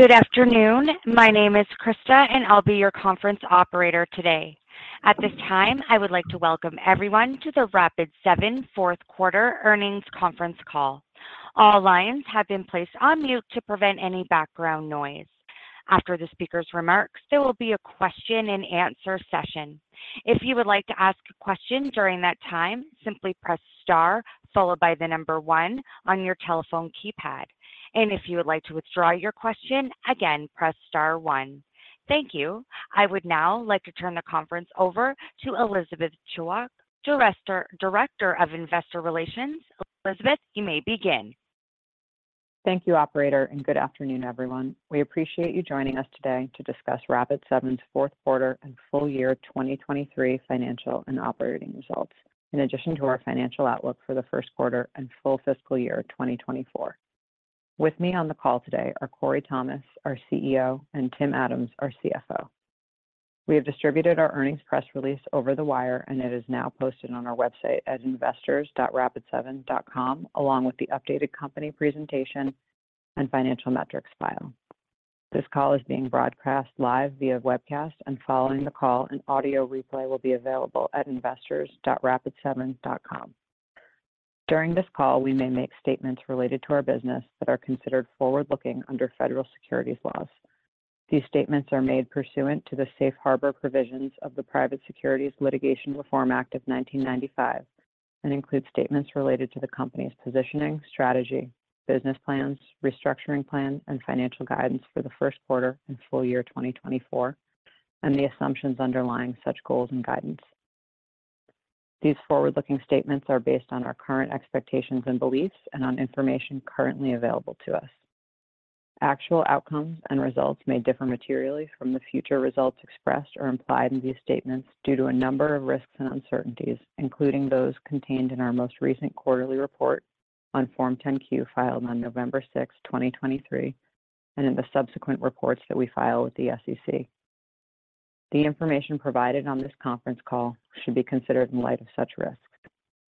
Good afternoon. My name is Krista, and I'll be your conference operator today. At this time, I would like to welcome everyone to the Rapid7 fourth quarter earnings conference call. All lines have been placed on mute to prevent any background noise. After the speaker's remarks, there will be a question and answer session. If you would like to ask a question during that time, simply press star, followed by the number one on your telephone keypad. If you would like to withdraw your question, again, press star one. Thank you. I would now like to turn the conference over to Elizabeth Chwalk, Director of Investor Relations. Elizabeth, you may begin. Thank you, operator, and good afternoon, everyone. We appreciate you joining us today to discuss Rapid7's fourth quarter and full year 2023 financial and operating results, in addition to our financial outlook for the first quarter and full fiscal year of 2024. With me on the call today are Corey Thomas, our CEO, and Tim Adams, our CFO. We have distributed our earnings press release over the wire, and it is now posted on our website at investors.rapid7.com, along with the updated company presentation and financial metrics file. This call is being broadcast live via webcast, and following the call, an audio replay will be available at investors.rapid7.com. During this call, we may make statements related to our business that are considered forward-looking under federal securities laws. These statements are made pursuant to the Safe Harbor Provisions of the Private Securities Litigation Reform Act of 1995 and include statements related to the company's positioning, strategy, business plans, restructuring plan, and financial guidance for the first quarter and full year 2024, and the assumptions underlying such goals and guidance. These forward-looking statements are based on our current expectations and beliefs and on information currently available to us. Actual outcomes and results may differ materially from the future results expressed or implied in these statements due to a number of risks and uncertainties, including those contained in our most recent quarterly report on Form 10-Q, filed on November 6th, 2023, and in the subsequent reports that we file with the SEC. The information provided on this conference call should be considered in light of such risks.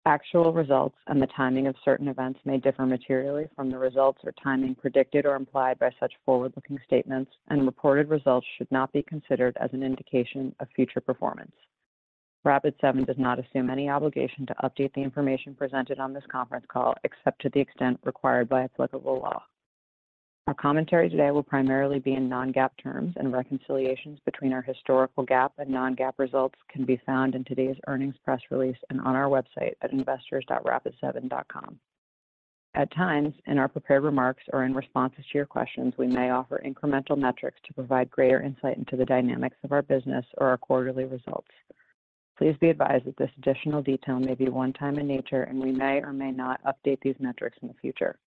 Actual results and the timing of certain events may differ materially from the results or timing predicted or implied by such forward-looking statements, and reported results should not be considered as an indication of future performance. Rapid7 does not assume any obligation to update the information presented on this conference call, except to the extent required by applicable law. Our commentary today will primarily be in non-GAAP terms, and reconciliations between our historical GAAP and non-GAAP results can be found in today's earnings press release and on our website at investors.rapid7.com. At times, in our prepared remarks or in responses to your questions, we may offer incremental metrics to provide greater insight into the dynamics of our business or our quarterly results. Please be advised that this additional detail may be one time in nature, and we may or may not update these metrics in the future.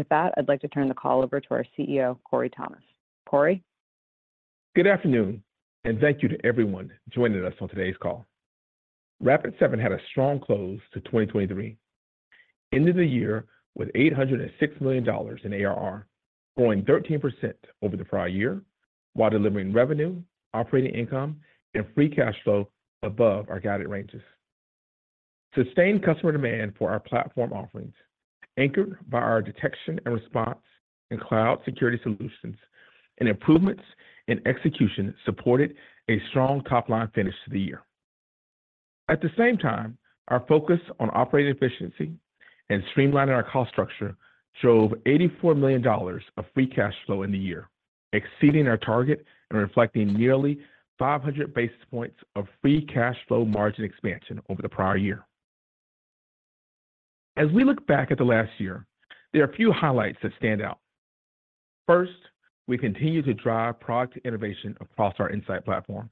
With that, I'd like to turn the call over to our CEO, Corey Thomas. Corey? Good afternoon, and thank you to everyone joining us on today's call. Rapid7 had a strong close to 2023, ended the year with $806 million in ARR, growing 13% over the prior year, while delivering revenue, operating income, and free cash flow above our guided ranges. Sustained customer demand for our platform offerings, anchored by our detection and response and cloud security solutions and improvements in execution, supported a strong top-line finish to the year. At the same time, our focus on operating efficiency and streamlining our cost structure drove $84 million of free cash flow in the year, exceeding our target and reflecting nearly 500 basis points of free cash flow margin expansion over the prior year. As we look back at the last year, there are a few highlights that stand out. First, we continue to drive product innovation across our Insight Platform.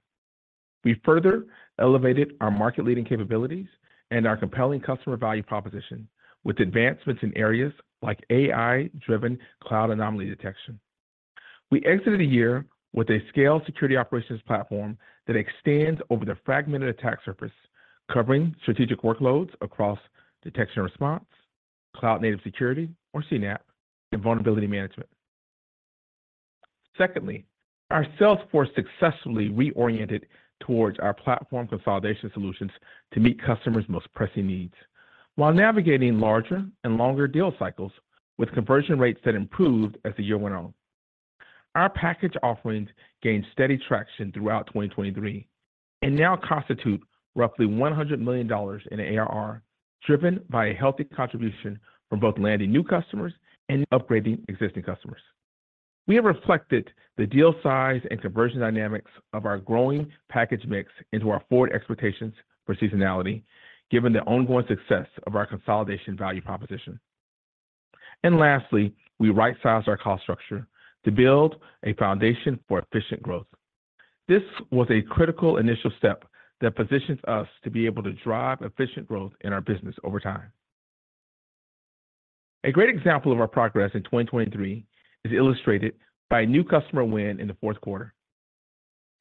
We further elevated our market-leading capabilities and our compelling customer value proposition with advancements in areas like AI-driven cloud anomaly detection. We exited the year with a scale security operations platform that extends over the fragmented attack surface, covering strategic workloads across detection and response, cloud native security or CNAPP, and vulnerability management. Secondly, our sales force successfully reoriented towards our platform consolidation solutions to meet customers' most pressing needs while navigating larger and longer deal cycles with conversion rates that improved as the year went on. Our package offerings gained steady traction throughout 2023 and now constitute roughly $100 million in ARR, driven by a healthy contribution from both landing new customers and upgrading existing customers. We have reflected the deal size and conversion dynamics of our growing package mix into our forward expectations for seasonality, given the ongoing success of our consolidation value proposition. And lastly, we rightsized our cost structure to build a foundation for efficient growth. This was a critical initial step that positions us to be able to drive efficient growth in our business over time. A great example of our progress in 2023 is illustrated by a new customer win in the fourth quarter.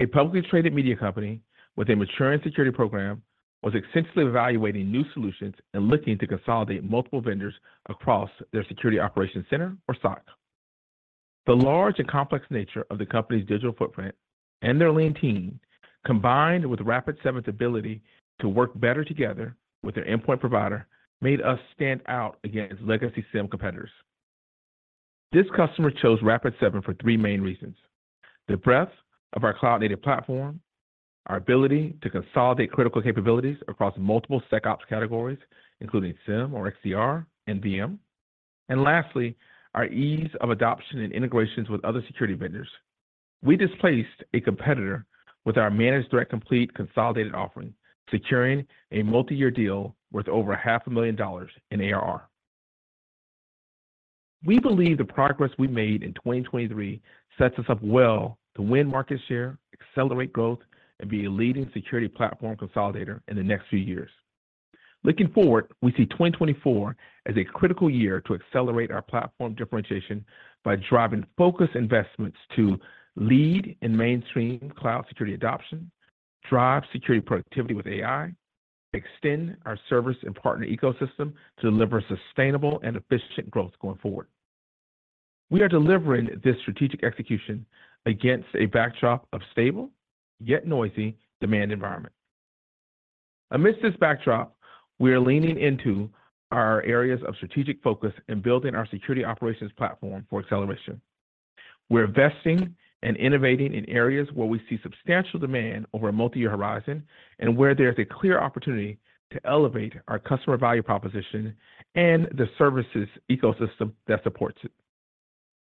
A publicly traded media company with a mature security program was extensively evaluating new solutions and looking to consolidate multiple vendors across their security operations center, or SOC. The large and complex nature of the company's digital footprint and their lean team, combined with Rapid7's ability to work better together with their endpoint provider, made us stand out against legacy SIEM competitors. This customer chose Rapid7 for three main reasons: the breadth of our cloud-native platform, our ability to consolidate critical capabilities across multiple SecOps categories, including SIEM or XDR and VM, and lastly, our ease of adoption and integrations with other security vendors. We displaced a competitor with our Managed Threat Complete consolidated offering, securing a multi-year deal worth over $500,000 in ARR. We believe the progress we made in 2023 sets us up well to win market share, accelerate growth, and be a leading security platform consolidator in the next few years. Looking forward, we see 2024 as a critical year to accelerate our platform differentiation by driving focused investments to lead in mainstream cloud security adoption, drive security productivity with AI, extend our service and partner ecosystem to deliver sustainable and efficient growth going forward. We are delivering this strategic execution against a backdrop of stable, yet noisy, demand environment. Amidst this backdrop, we are leaning into our areas of strategic focus and building our security operations platform for acceleration. We're investing and innovating in areas where we see substantial demand over a multi-year horizon, and where there's a clear opportunity to elevate our customer value proposition and the services ecosystem that supports it.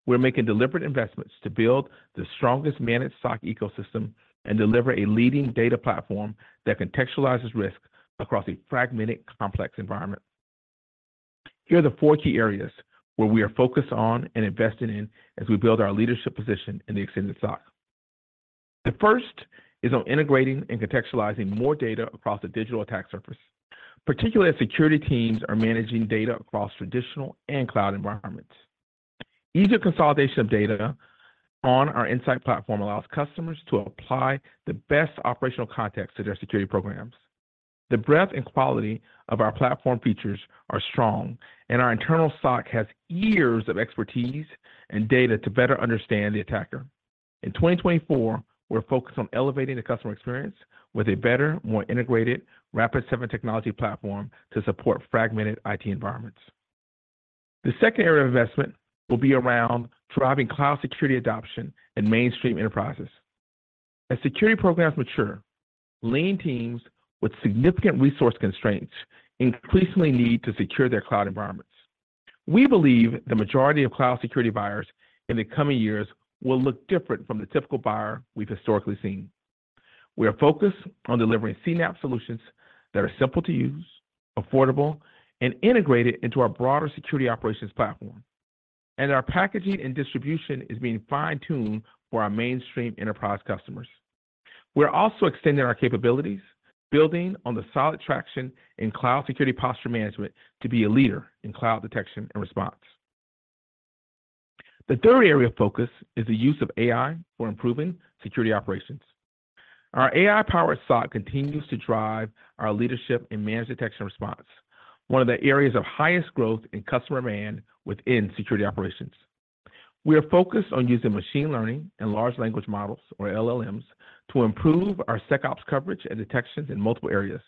We're making deliberate investments to build the strongest managed SOC ecosystem and deliver a leading data platform that contextualizes risk across a fragmented, complex environment. Here are the four key areas where we are focused on and investing in as we build our leadership position in the extended SOC. The first is on integrating and contextualizing more data across the digital attack surface, particularly as security teams are managing data across traditional and cloud environments. Easier consolidation of data on our Insight Platform allows customers to apply the best operational context to their security programs. The breadth and quality of our platform features are strong, and our internal SOC has years of expertise and data to better understand the attacker. In 2024, we're focused on elevating the customer experience with a better, more integrated Rapid7 technology platform to support fragmented IT environments. The second area of investment will be around driving cloud security adoption in mainstream enterprises. As security programs mature, lean teams with significant resource constraints increasingly need to secure their cloud environments. We believe the majority of cloud security buyers in the coming years will look different from the typical buyer we've historically seen. We are focused on delivering CNAPP solutions that are simple to use, affordable, and integrated into our broader security operations platform. Our packaging and distribution is being fine-tuned for our mainstream enterprise customers. We're also extending our capabilities, building on the solid traction in cloud security posture management to be a leader in cloud detection and response. The third area of focus is the use of AI for improving security operations. Our AI-powered SOC continues to drive our leadership in managed detection and response, one of the areas of highest growth in customer demand within security operations. We are focused on using machine learning and large language models, or LLMs, to improve our SecOps coverage and detections in multiple areas,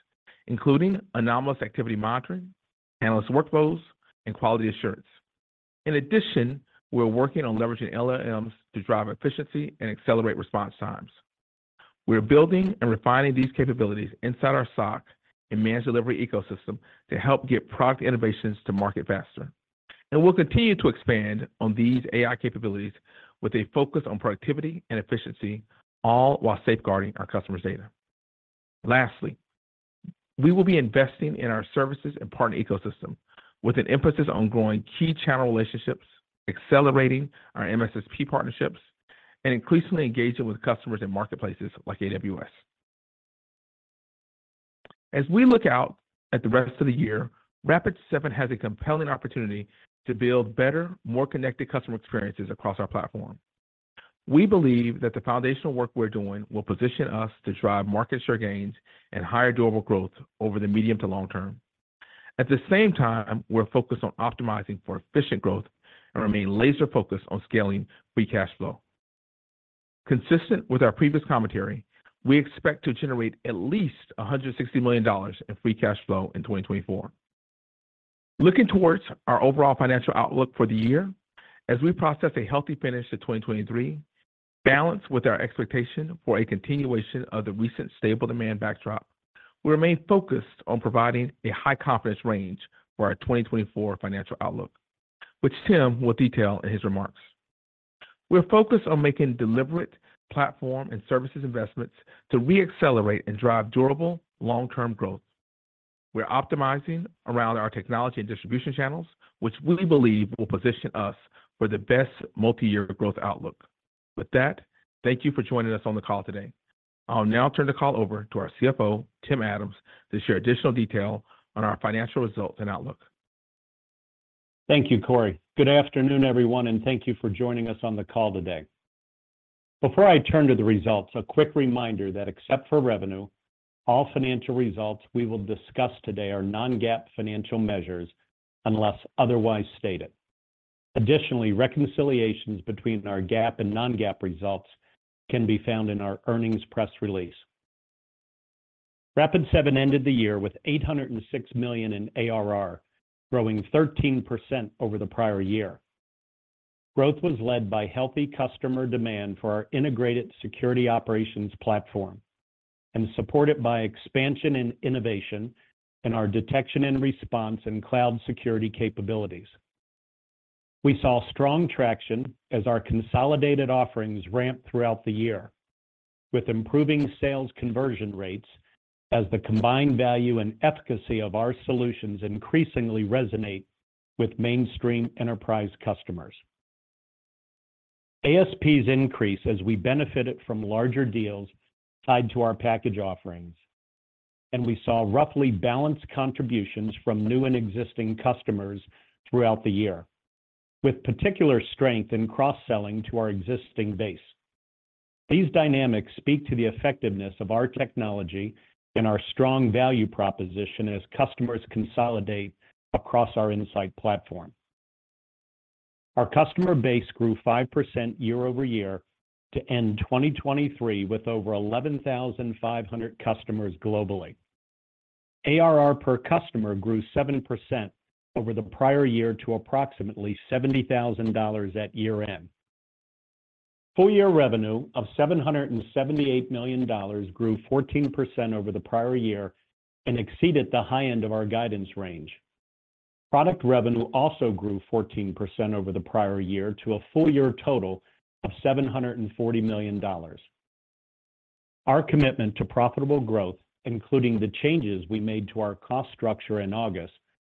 including anomalous activity monitoring, analyst workflows, and quality assurance. In addition, we're working on leveraging LLMs to drive efficiency and accelerate response times. We are building and refining these capabilities inside our SOC and managed delivery ecosystem to help get product innovations to market faster. We'll continue to expand on these AI capabilities with a focus on productivity and efficiency, all while safeguarding our customers' data. Lastly, we will be investing in our services and partner ecosystem with an emphasis on growing key channel relationships, accelerating our MSSP partnerships, and increasingly engaging with customers in marketplaces like AWS. As we look out at the rest of the year, Rapid7 has a compelling opportunity to build better, more connected customer experiences across our platform. We believe that the foundational work we're doing will position us to drive market share gains and higher durable growth over the medium to long term. At the same time, we're focused on optimizing for efficient growth and remain laser focused on scaling free cash flow. Consistent with our previous commentary, we expect to generate at least $160 million in free cash flow in 2024. Looking towards our overall financial outlook for the year, as we process a healthy finish to 2023, balanced with our expectation for a continuation of the recent stable demand backdrop, we remain focused on providing a high confidence range for our 2024 financial outlook, which Tim will detail in his remarks. We're focused on making deliberate platform and services investments to re-accelerate and drive durable long-term growth. We're optimizing around our technology and distribution channels, which we believe will position us for the best multi-year growth outlook. With that, thank you for joining us on the call today. I'll now turn the call over to our CFO, Tim Adams, to share additional detail on our financial results and outlook. Thank you, Corey. Good afternoon, everyone, and thank you for joining us on the call today. Before I turn to the results, a quick reminder that except for revenue, all financial results we will discuss today are non-GAAP financial measures, unless otherwise stated. Additionally, reconciliations between our GAAP and non-GAAP results can be found in our earnings press release. Rapid7 ended the year with $806 million in ARR, growing 13% over the prior year. Growth was led by healthy customer demand for our integrated security operations platform, and supported by expansion and innovation in our detection and response and cloud security capabilities. We saw strong traction as our consolidated offerings ramped throughout the year, with improving sales conversion rates as the combined value and efficacy of our solutions increasingly resonate with mainstream enterprise customers. ASPs increased as we benefited from larger deals tied to our package offerings, and we saw roughly balanced contributions from new and existing customers throughout the year, with particular strength in cross-selling to our existing base. These dynamics speak to the effectiveness of our technology and our strong value proposition as customers consolidate across our Insight Platform. Our customer base grew 5% year-over-year to end 2023, with over 11,500 customers globally. ARR per customer grew 7% over the prior year to approximately $70,000 at year-end. Full-year revenue of $778 million grew 14% over the prior year and exceeded the high end of our guidance range. Product revenue also grew 14% over the prior year to a full-year total of $740 million. Our commitment to profitable growth, including the changes we made to our cost structure in August,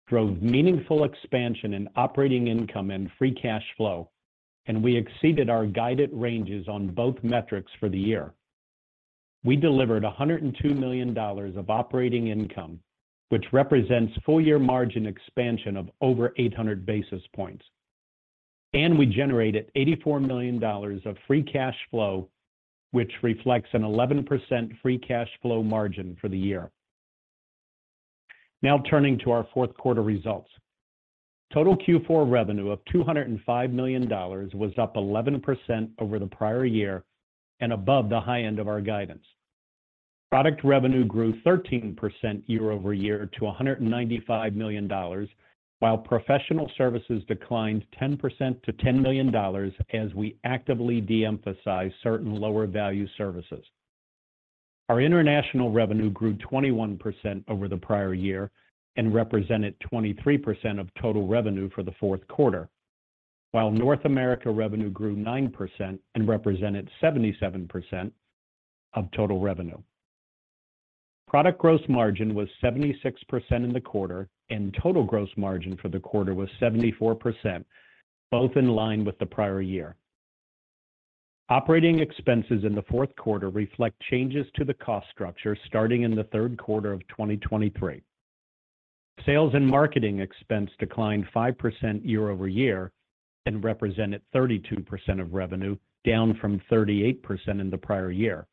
drove meaningful expansion in operating income and free cash flow, and we exceeded our guided ranges on both metrics for the year. We delivered $102 million of operating income, which represents full year margin expansion of over 800 basis points, and we generated $84 million of free cash flow, which reflects an 11% free cash flow margin for the year. Now, turning to our fourth quarter results. Total Q4 revenue of $205 million was up 11% over the prior year and above the high end of our guidance. Product revenue grew 13% year-over-year to $195 million, while professional services declined 10% to $10 million as we actively de-emphasize certain lower value services. Our international revenue grew 21% over the prior year and represented 23% of total revenue for the fourth quarter, while North America revenue grew 9% and represented 77% of total revenue. Product gross margin was 76% in the quarter, and total gross margin for the quarter was 74%, both in line with the prior year. Operating expenses in the fourth quarter reflect changes to the cost structure starting in the third quarter of 2023. Sales and marketing expense declined 5% year-over-year and represented 32% of revenue, down from 38% in the prior year.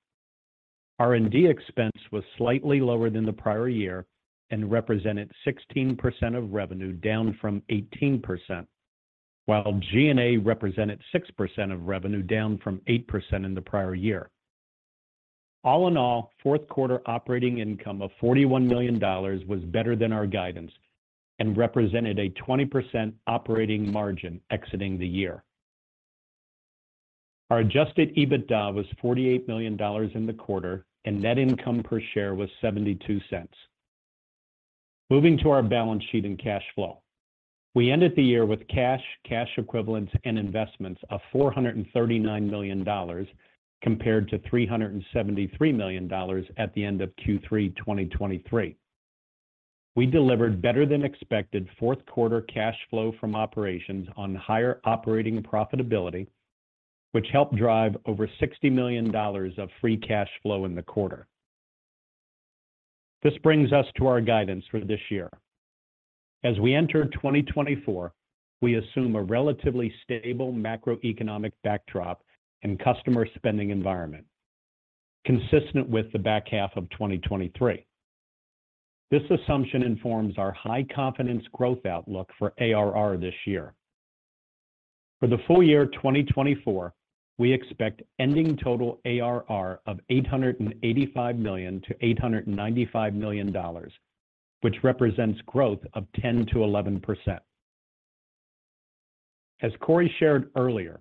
R&D expense was slightly lower than the prior year and represented 16% of revenue, down from 18%, while G&A represented 6% of revenue, down from 8% in the prior year. All in all, fourth quarter operating income of $41 million was better than our guidance and represented a 20% operating margin exiting the year. Our adjusted EBITDA was $48 million in the quarter, and net income per share was $0.72. Moving to our balance sheet and cash flow. We ended the year with cash, cash equivalents and investments of $439 million, compared to $373 million at the end of Q3 2023. We delivered better-than-expected fourth quarter cash flow from operations on higher operating profitability, which helped drive over $60 million of free cash flow in the quarter. This brings us to our guidance for this year. As we enter 2024, we assume a relatively stable macroeconomic backdrop and customer spending environment, consistent with the back half of 2023. This assumption informs our high confidence growth outlook for ARR this year. For the full year 2024, we expect ending total ARR of $885 million-$895 million, which represents growth of 10%-11%. As Corey shared earlier,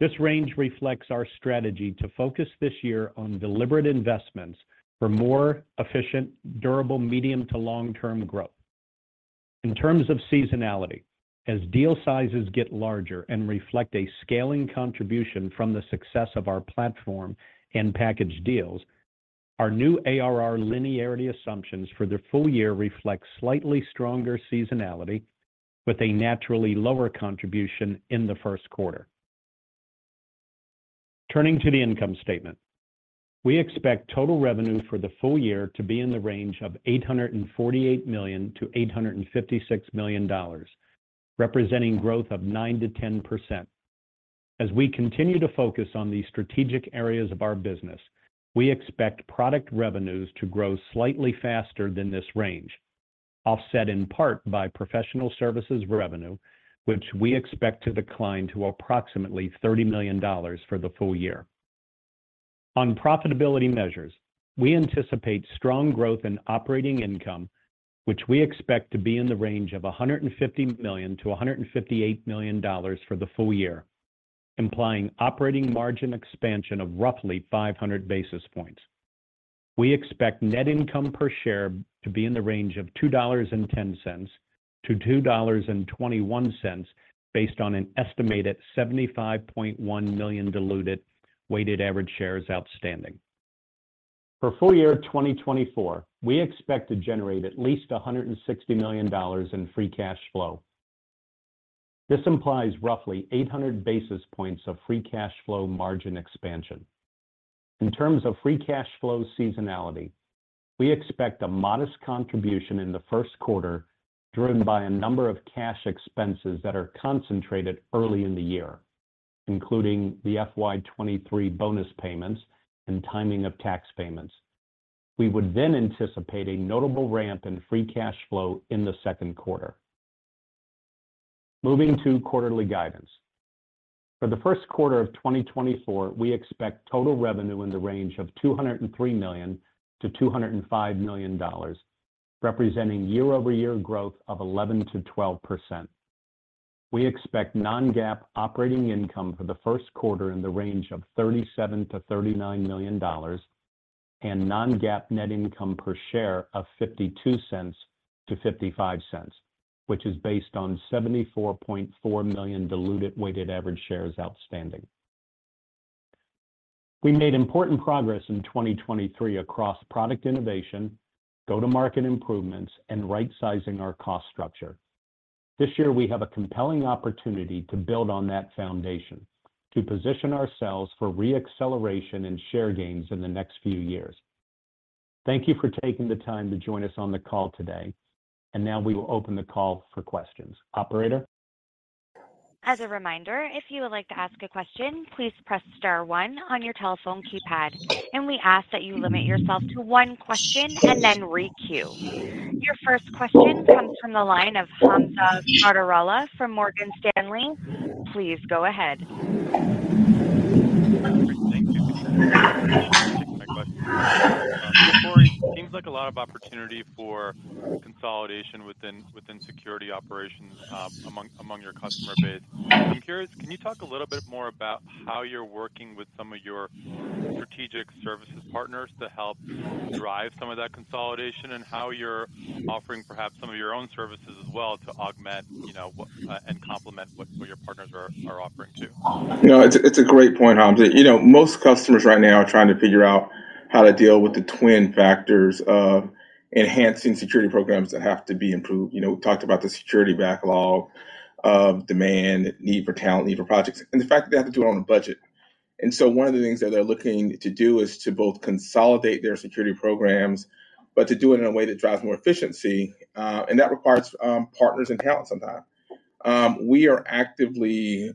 this range reflects our strategy to focus this year on deliberate investments for more efficient, durable, medium to long-term growth. In terms of seasonality, as deal sizes get larger and reflect a scaling contribution from the success of our platform and package deals, our new ARR linearity assumptions for the full year reflect slightly stronger seasonality, but a naturally lower contribution in the first quarter. Turning to the income statement. We expect total revenue for the full year to be in the range of $848 million-$856 million, representing growth of 9%-10%. As we continue to focus on the strategic areas of our business, we expect product revenues to grow slightly faster than this range, offset in part by professional services revenue, which we expect to decline to approximately $30 million for the full year. On profitability measures, we anticipate strong growth in operating income, which we expect to be in the range of $150 million-$158 million for the full year, implying operating margin expansion of roughly 500 basis points. We expect net income per share to be in the range of $2.10-$2.21, based on an estimated 75.1 million diluted weighted average shares outstanding. For full year 2024, we expect to generate at least $160 million in free cash flow. This implies roughly 800 basis points of free cash flow margin expansion. In terms of free cash flow seasonality, we expect a modest contribution in the first quarter, driven by a number of cash expenses that are concentrated early in the year, including the FY 2023 bonus payments and timing of tax payments. We would then anticipate a notable ramp in free cash flow in the second quarter. Moving to quarterly guidance. For the first quarter of 2024, we expect total revenue in the range of $203 million-$205 million, representing year-over-year growth of 11%-12%. We expect non-GAAP operating income for the first quarter in the range of $37 million-$39 million, and non-GAAP net income per share of $0.52-$0.55, which is based on 74.4 million diluted weighted average shares outstanding. We made important progress in 2023 across product innovation, go-to-market improvements, and right sizing our cost structure. This year, we have a compelling opportunity to build on that foundation to position ourselves for re-acceleration and share gains in the next few years. Thank you for taking the time to join us on the call today, and now we will open the call for questions. Operator? As a reminder, if you would like to ask a question, please press star one on your telephone keypad, and we ask that you limit yourself to one question and then requeue. Your first question comes from the line of Hamza Fodderwala from Morgan Stanley. Please go ahead. Thank you. Thanks for taking my question. Corey, seems like a lot of opportunity for consolidation within security operations, among your customer base. I'm curious, can you talk a little bit more about how you're working with some of your strategic services partners to help drive some of that consolidation, and how you're offering perhaps some of your own services as well, to augment, you know, what and complement what your partners are offering too? No, it's a, it's a great point, Hamza. You know, most customers right now are trying to figure out how to deal with the twin factors of enhancing security programs that have to be improved. You know, we talked about the security backlog of demand, need for talent, need for projects, and the fact that they have to do it on a budget. And so one of the things that they're looking to do is to both consolidate their security programs, but to do it in a way that drives more efficiency, and that requires, partners and talent sometimes. We are actively,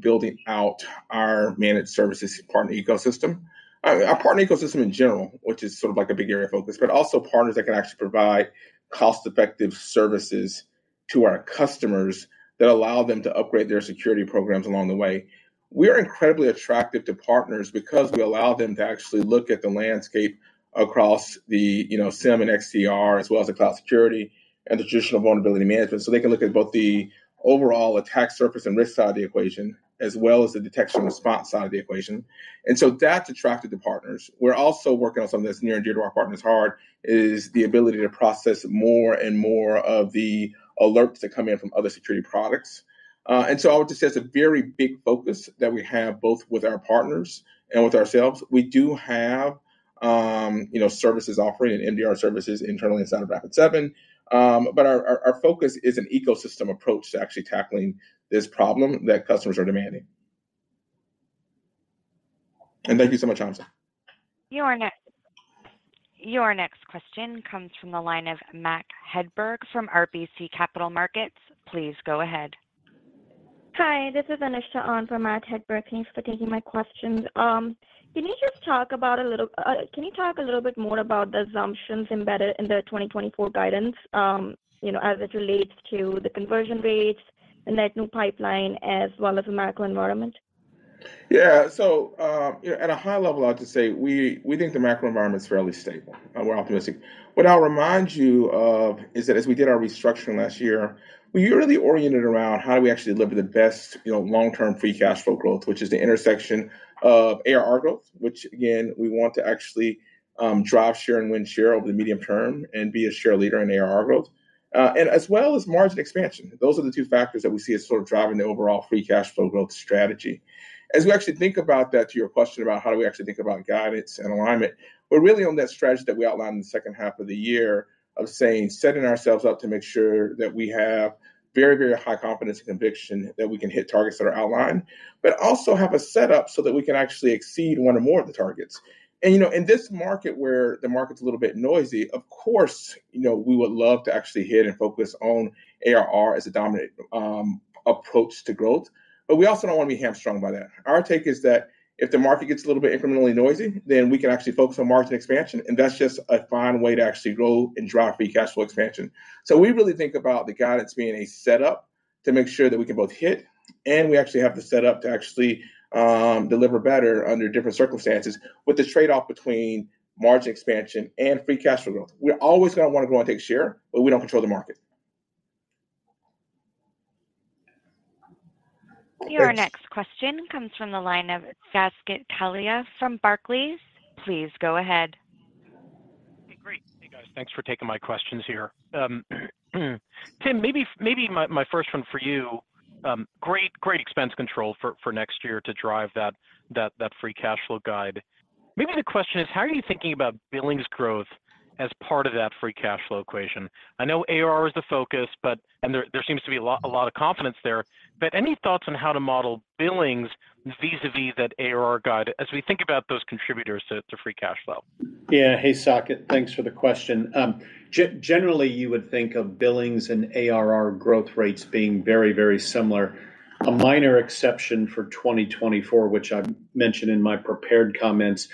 building out our managed services partner ecosystem. Our partner ecosystem in general, which is sort of like a big area of focus, but also partners that can actually provide cost-effective services to our customers that allow them to upgrade their security programs along the way. We're incredibly attractive to partners because we allow them to actually look at the landscape across the, you know, SIEM and XDR, as well as the cloud security and the traditional vulnerability management. So they can look at both the overall attack surface and risk side of the equation, as well as the detection and response side of the equation, and so that's attractive to partners. We're also working on something that's near and dear to our partners' heart, is the ability to process more and more of the alerts that come in from other security products. And so I would just say it's a very big focus that we have, both with our partners and with ourselves. We do have, you know, services offering and MDR services internally inside of Rapid7. But our focus is an ecosystem approach to actually tackling this problem that customers are demanding. And thank you so much, Hamza. Your next question comes from the line of Matt Hedberg from RBC Capital Markets. Please go ahead. Hi, this is [Ayisha khan] for Matt Hedberg. Thanks for taking my questions. Can you talk a little bit more about the assumptions embedded in the 2024 guidance, you know, as it relates to the conversion rates and that new pipeline, as well as the macro environment? Yeah. So, at a high level, I'd just say we, we think the macro environment is fairly stable, and we're optimistic. What I'll remind you of is that as we did our restructuring last year, we really oriented around how do we actually deliver the best, you know, long-term free cash flow growth, which is the intersection of ARR growth, which again, we want to actually, drive share and win share over the medium term and be a share leader in ARR growth, and as well as margin expansion. Those are the two factors that we see as sort of driving the overall free cash flow growth strategy. As we actually think about that, to your question about how do we actually think about guidance and alignment, we're really on that strategy that we outlined in the second half of the year of saying, setting ourselves up to make sure that we have very, very high confidence and conviction that we can hit targets that are outlined, but also have a setup so that we can actually exceed one or more of the targets. And, you know, in this market, where the market's a little bit noisy, of course, you know, we would love to actually hit and focus on ARR as a dominant approach to growth, but we also don't want to be hamstrung by that. Our take is that if the market gets a little bit incrementally noisy, then we can actually focus on margin expansion, and that's just a fine way to actually grow and drive free cash flow expansion. So we really think about the guidance being a setup to make sure that we can both hit, and we actually have the setup to actually deliver better under different circumstances with the trade-off between margin expansion and free cash flow growth. We're always gonna want to go out and take share, but we don't control the market. Your next question comes from the line of Saket Kalia from Barclays. Please go ahead. Hey, great. Hey, guys, thanks for taking my questions here. Tim, maybe my first one for you. Great expense control for next year to drive that free cash flow guide. Maybe the question is, how are you thinking about billings growth as part of that free cash flow equation? I know ARR is the focus, but and there seems to be a lot of confidence there, but any thoughts on how to model billings vis-a-vis that ARR guide as we think about those contributors to free cash flow? Yeah. Hey, Saket. Thanks for the question. Generally, you would think of billings and ARR growth rates being very, very similar. A minor exception for 2024, which I mentioned in my prepared comments,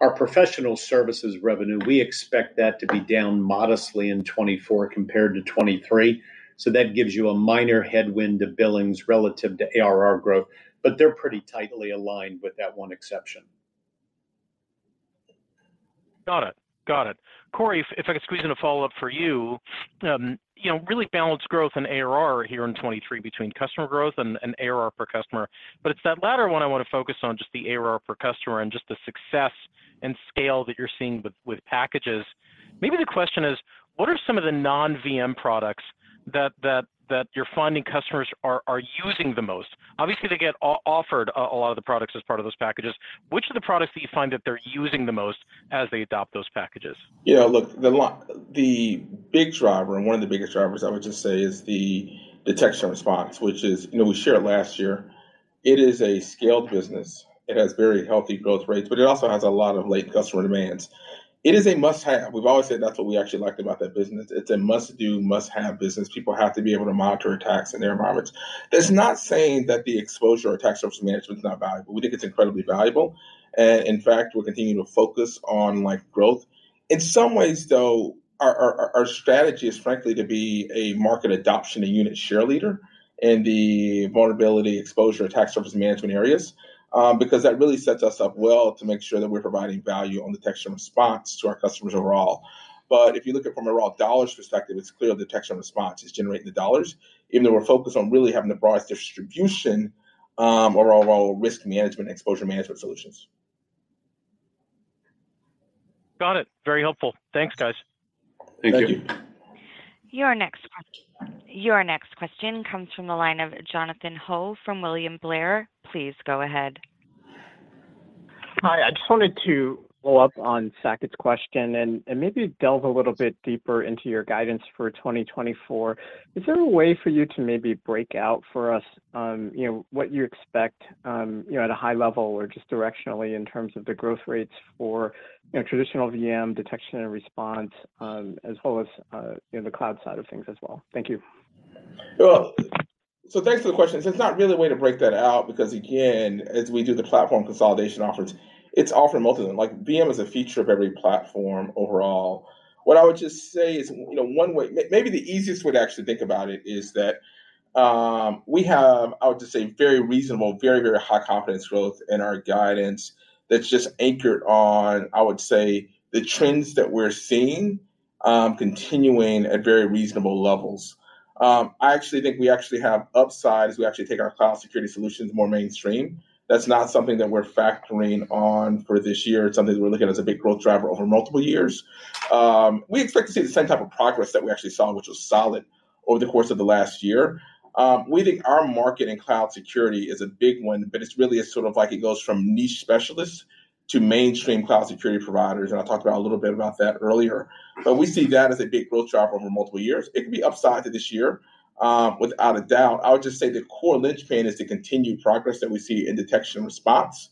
our professional services revenue, we expect that to be down modestly in 2024 compared to 2023. So that gives you a minor headwind to billings relative to ARR growth, but they're pretty tightly aligned with that one exception. Got it. Got it. Corey, if I could squeeze in a follow-up for you. You know, really balanced growth in ARR here in 2023 between customer growth and ARR per customer, but it's that latter one I want to focus on, just the ARR per customer and just the success and scale that you're seeing with packages. Maybe the question is: what are some of the non-VM products that you're finding customers are using the most? Obviously, they get offered a lot of the products as part of those packages. Which are the products that you find that they're using the most as they adopt those packages? Yeah, look, the big driver, and one of the biggest drivers I would just say, is the detection response, which is... You know, we shared it last year. It is a scaled business. It has very healthy growth rates, but it also has a lot of late customer demands. It is a must-have. We've always said that's what we actually liked about that business. It's a must-do, must-have business. People have to be able to monitor attacks in their environments. That's not saying that the exposure or attack surface management is not valuable. We think it's incredibly valuable, and in fact, we're continuing to focus on, like, growth. In some ways, though, our strategy is frankly to be a market adoption, a unit share leader in the vulnerability exposure, attack surface management areas, because that really sets us up well to make sure that we're providing value on detection and response to our customers overall. But if you look at it from a raw dollars perspective, it's clear detection and response is generating the dollars, even though we're focused on really having the broadest distribution, overall our risk management, exposure management solutions. Got it. Very helpful. Thanks, guys. Thank you. Thank you. Your next question comes from the line of Jonathan Ho from William Blair. Please go ahead. Hi, I just wanted to follow up on Saket's question and maybe delve a little bit deeper into your guidance for 2024. Is there a way for you to maybe break out for us, you know, what you expect, you know, at a high level or just directionally in terms of the growth rates for, you know, traditional VM detection and response, as well as, you know, the cloud side of things as well? Thank you. Well, so thanks for the question. So it's not really a way to break that out because, again, as we do the platform consolidation efforts, it's all for most of them. Like, VM is a feature of every platform overall. What I would just say is, you know, one way, maybe the easiest way to actually think about it is that we have, I would just say, very reasonable, very, very high confidence growth in our guidance that's just anchored on, I would say, the trends that we're seeing continuing at very reasonable levels. I actually think we actually have upside as we actually take our cloud security solutions more mainstream. That's not something that we're factoring on for this year. It's something that we're looking at as a big growth driver over multiple years. We expect to see the same type of progress that we actually saw, which was solid over the course of the last year. We think our market in cloud security is a big one, but it's really a sort of like it goes from niche specialists to mainstream cloud security providers, and I talked about a little bit about that earlier. We see that as a big growth driver over multiple years. It could be upside to this year, without a doubt. I would just say the core linchpin is the continued progress that we see in detection and response,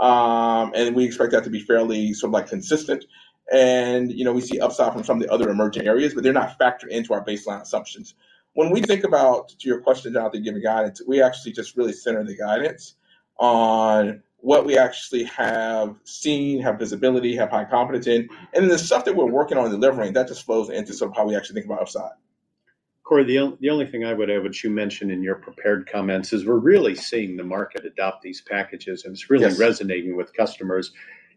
and we expect that to be fairly, sort of like, consistent. You know, we see upside from some of the other emerging areas, but they're not factored into our baseline assumptions. When we think about, to your question, Jonathan, giving guidance, we actually just really center the guidance on what we actually have seen, have visibility, have high confidence in, and the stuff that we're working on delivering, that just flows into sort of how we actually think about upside. Corey, the only thing I would add, which you mentioned in your prepared comments, is we're really seeing the market adopt these packages- Yes... and it's really resonating with customers.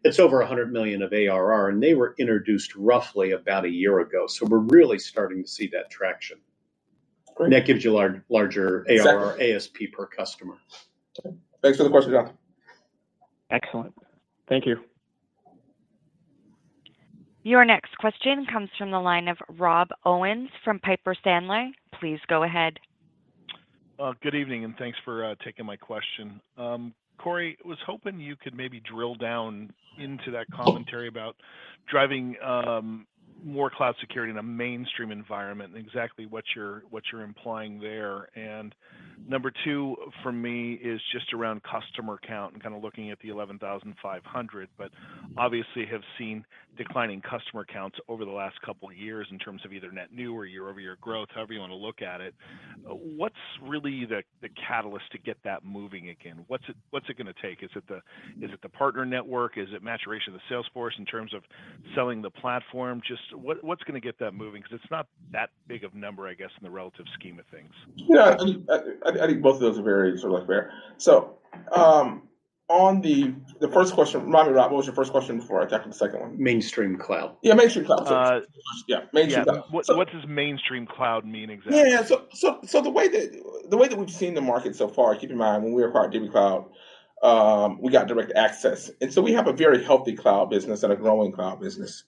It's over $100 million of ARR, and they were introduced roughly about a year ago. So we're really starting to see that traction. Great. And that gives you a larger Exactly... ARR, ASP per customer. Thanks for the question, Jonathan. Excellent. Thank you. Your next question comes from the line of Rob Owens from Piper Sandler. Please go ahead. Good evening, and thanks for taking my question. Corey, I was hoping you could maybe drill down into that commentary about driving more cloud security in a mainstream environment, and exactly what you're, what you're implying there. And number two for me is just around customer count and kind of looking at the 11,500, but obviously have seen declining customer counts over the last couple of years in terms of either net new or year-over-year growth, however you want to look at it. What's really the, the catalyst to get that moving again? What's it, what's it gonna take? Is it the- is it the partner network? Is it maturation of the sales force in terms of selling the platform? Just what, what's gonna get that moving? Because it's not that big of number, I guess, in the relative scheme of things. Yeah, I mean, I think both of those are very sort of like fair. So, on the first question, remind me, Rob, what was your first question before I got to the second one? Mainstream cloud. Yeah, mainstream cloud. Yeah Yeah. What, so what does mainstream cloud mean exactly? Yeah, yeah. So the way that we've seen the market so far, keep in mind, when we were part of IBM Cloud, we got direct access, and so we have a very healthy cloud business and a growing cloud business.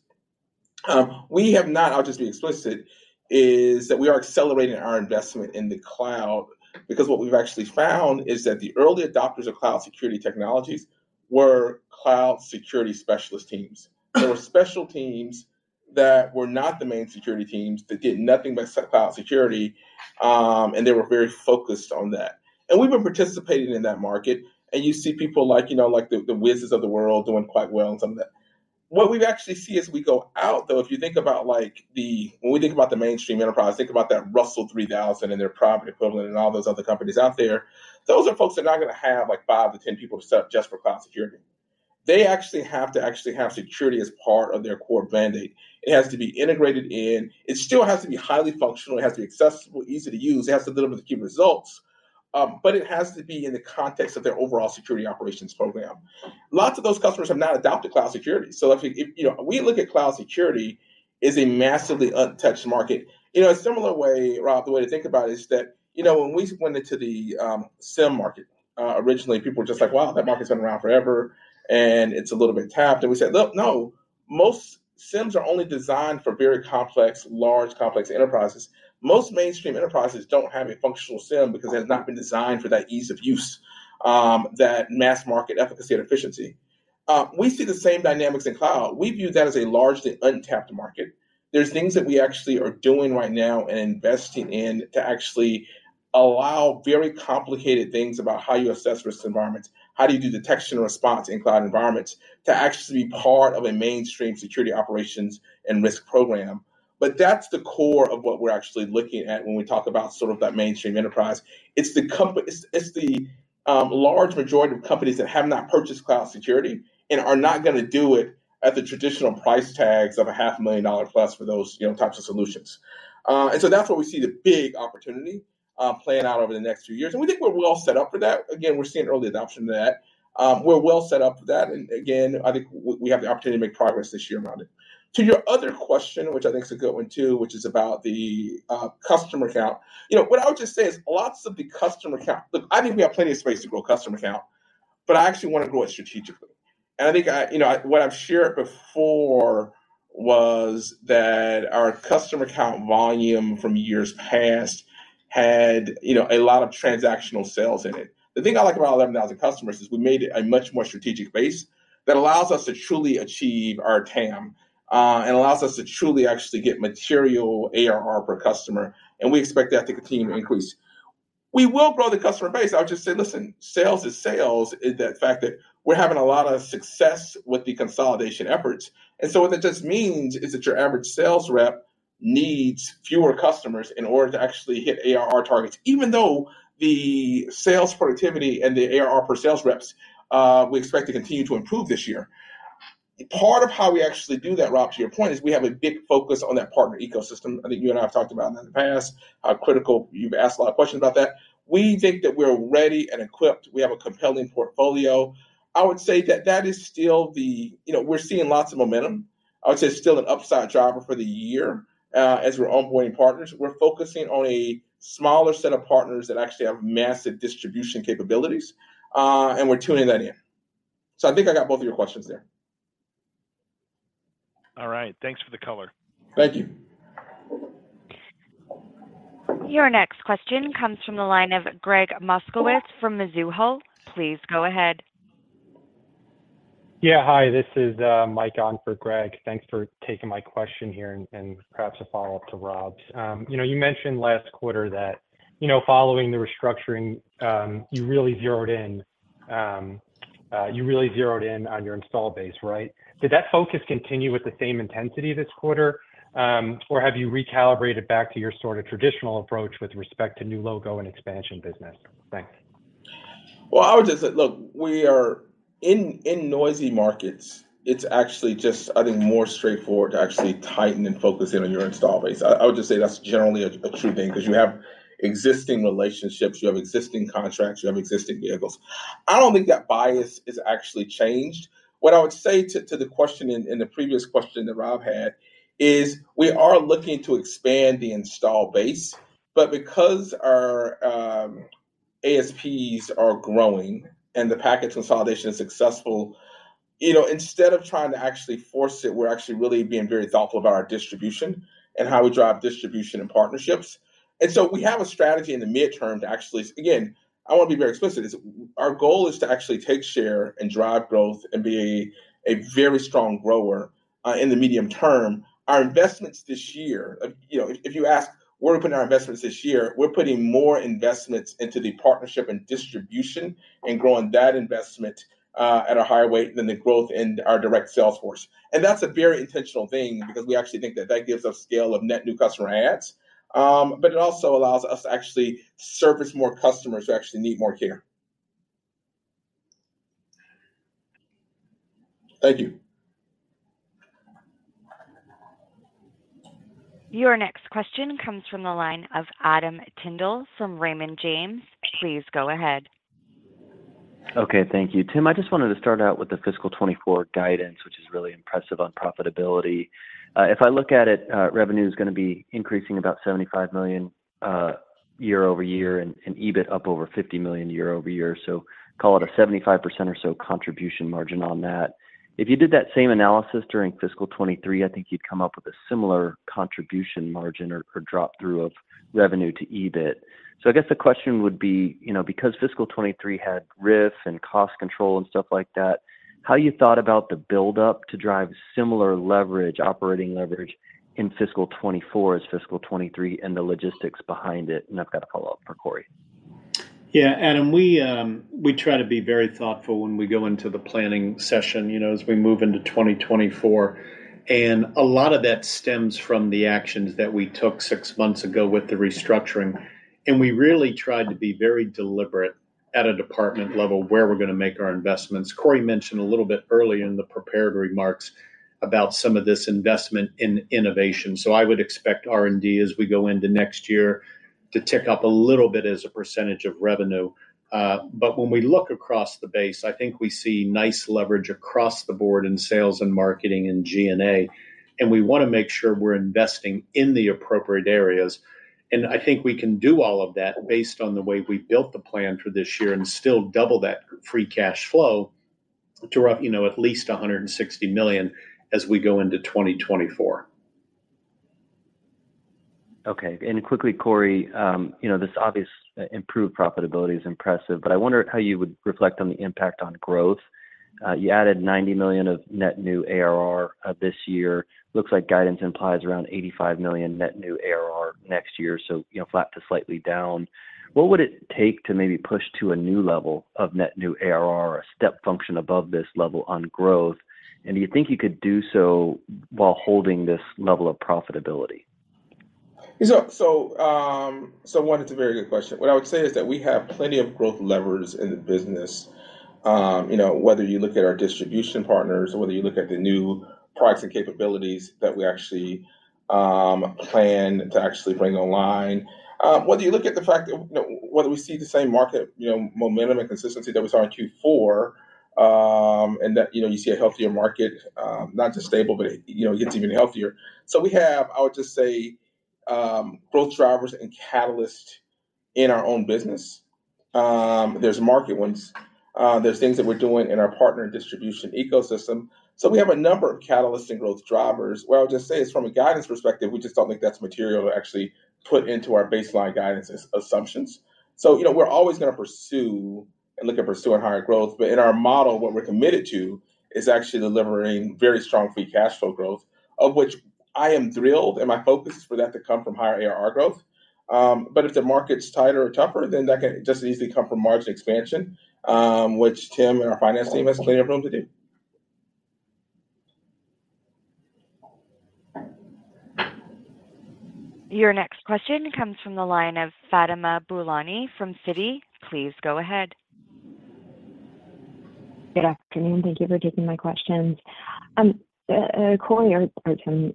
We have not, I'll just be explicit, is that we are accelerating our investment in the cloud, because what we've actually found is that the early adopters of cloud security technologies were cloud security specialist teams. They were special teams that were not the main security teams, that did nothing but set cloud security, and they were very focused on that. And we've been participating in that market, and you see people like, you know, like the Wiz's of the world doing quite well in some of that. What we've actually see as we go out, though, if you think about, like, the mainstream enterprise. When we think about the mainstream enterprise, think about that Russell 3000 and their private equivalent and all those other companies out there, those are folks that are not gonna have, like, 5-10 people set up just for cloud security. They actually have to actually have security as part of their core mandate. It has to be integrated in. It still has to be highly functional, it has to be accessible, easy to use, it has to deliver the key results, but it has to be in the context of their overall security operations program. Lots of those customers have not adopted cloud security. So if we, you know, we look at cloud security as a massively untouched market. You know, a similar way, Rob, the way to think about it is that, you know, when we went into the SIEM market originally, people were just like, "Wow, that market's been around forever, and it's a little bit tapped." And we said, "Look, no, most SIEMs are only designed for very complex, large, complex enterprises." Most mainstream enterprises don't have a functional SIEM because they have not been designed for that ease of use that mass market efficacy and efficiency. We see the same dynamics in cloud. We view that as a largely untapped market. There's things that we actually are doing right now and investing in to actually allow very complicated things about how you assess risk environments, how do you do detection and response in cloud environments, to actually be part of a mainstream security operations and risk program. But that's the core of what we're actually looking at when we talk about sort of that mainstream enterprise. It's the large majority of companies that have not purchased cloud security and are not gonna do it at the traditional price tags of $500,000 plus for those, you know, types of solutions. And so that's where we see the big opportunity playing out over the next few years, and we think we're well set up for that. Again, we're seeing early adoption of that. We're well set up for that, and again, I think we have the opportunity to make progress this year around it. To your other question, which I think is a good one too, which is about the customer count, you know, what I would just say is lots of the customer count... Look, I think we have plenty of space to grow customer count, but I actually want to grow it strategically. And I think I, you know, I, what I've shared before was that our customer count volume from years past had, you know, a lot of transactional sales in it. The thing I like about 11,000 customers is we made it a much more strategic base that allows us to truly achieve our TAM, and allows us to truly actually get material ARR per customer, and we expect that to continue to increase. We will grow the customer base. I would just say, listen, sales is sales, is the fact that we're having a lot of success with the consolidation efforts. And so what that just means is that your average sales rep needs fewer customers in order to actually hit ARR targets, even though the sales productivity and the ARR per sales reps, we expect to continue to improve this year. Part of how we actually do that, Rob, to your point, is we have a big focus on that partner ecosystem. I think you and I have talked about it in the past, how critical... You've asked a lot of questions about that. We think that we're ready and equipped. We have a compelling portfolio. I would say that that is still the... You know, we're seeing lots of momentum. I would say it's still an upside driver for the year. As we're onboarding partners, we're focusing on a smaller set of partners that actually have massive distribution capabilities, and we're tuning that in. I think I got both of your questions there. All right. Thanks for the color. Thank you. Your next question comes from the line of Greg Moskowitz from Mizuho. Please go ahead. Yeah, hi, this is Mike on for Greg. Thanks for taking my question here, and, and perhaps a follow-up to Rob's. You know, you mentioned last quarter that, you know, following the restructuring, you really zeroed in on your install base, right? Did that focus continue with the same intensity this quarter, or have you recalibrated back to your sort of traditional approach with respect to new logo and expansion business? Thanks. Well, I would just say, look, we are in, in noisy markets, it's actually just, I think, more straightforward to actually tighten and focus in on your install base. I, I would just say that's generally a, a true thing 'cause you have existing relationships, you have existing contracts, you have existing vehicles. I don't think that bias has actually changed. What I would say to, to the question and, and the previous question that Rob had is we are looking to expand the install base, but because our ASPs are growing and the package consolidation is successful, you know, instead of trying to actually force it, we're actually really being very thoughtful about our distribution and how we drive distribution and partnerships. And so we have a strategy in the mid-term to actually... Again, I want to be very explicit, is our goal is to actually take share and drive growth and be a, a very strong grower in the medium term. Our investments this year, you know, if, if you ask where to put our investments this year, we're putting more investments into the partnership and distribution and growing that investment at a higher rate than the growth in our direct sales force. And that's a very intentional thing because we actually think that that gives us scale of net new customer adds, but it also allows us to actually service more customers who actually need more care. Thank you. Your next question comes from the line of Adam Tindle from Raymond James. Please go ahead. Okay, thank you. Tim, I just wanted to start out with the fiscal 2024 guidance, which is really impressive on profitability. If I look at it, revenue is gonna be increasing about $75 million year-over-year, and EBIT up over $50 million year-over-year. So call it a 75% or so contribution margin on that. If you did that same analysis during fiscal 2023, I think you'd come up with a similar contribution margin or drop through of revenue to EBIT. So I guess the question would be, you know, because fiscal 2023 had RIF and cost control and stuff like that, how you thought about the buildup to drive similar leverage, operating leverage in fiscal 2024 as fiscal 2023, and the logistics behind it? And I've got a follow-up for Corey. Yeah, Adam, we try to be very thoughtful when we go into the planning session, you know, as we move into 2024, and a lot of that stems from the actions that we took six months ago with the restructuring. We really tried to be very deliberate at a department level, where we're gonna make our investments. Corey mentioned a little bit earlier in the prepared remarks about some of this investment in innovation, so I would expect R&D, as we go into next year, to tick up a little bit as a percentage of revenue. But when we look across the base, I think we see nice leverage across the board in sales and marketing and G&A, and we wanna make sure we're investing in the appropriate areas. I think we can do all of that based on the way we built the plan for this year and still double that free cash flow to, you know, at least $160 million as we go into 2024. Okay. And quickly, Corey, you know, this obvious, improved profitability is impressive, but I wonder how you would reflect on the impact on growth. You added $90 million of net new ARR, this year. Looks like guidance implies around $85 million net new ARR next year, so, you know, flat to slightly down. What would it take to maybe push to a new level of net new ARR or a step function above this level on growth? And do you think you could do so while holding this level of profitability? So, it's a very good question. What I would say is that we have plenty of growth levers in the business. You know, whether you look at our distribution partners, or whether you look at the new products and capabilities that we actually plan to actually bring online, whether you look at the fact that... whether we see the same market, you know, momentum and consistency that we saw in Q4, and that, you know, you see a healthier market, not just stable, but, you know, it gets even healthier. So we have, I would just say, growth drivers and catalyst in our own business. There's market ones, there's things that we're doing in our partner distribution ecosystem. So we have a number of catalyst and growth drivers. What I'll just say is, from a guidance perspective, we just don't think that's material to actually put into our baseline guidance as assumptions. You know, we're always gonna pursue and look at pursuing higher growth, but in our model, what we're committed to is actually delivering very strong free cash flow growth, of which I am thrilled, and my focus is for that to come from higher ARR growth. But if the market's tighter or tougher, then that can just as easily come from margin expansion, which Tim and our finance team has plenty of room to do. Your next question comes from the line of Fatima Boolani from Citi. Please go ahead. Good afternoon. Thank you for taking my questions. Corey, or Tim,